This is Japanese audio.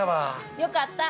よかった。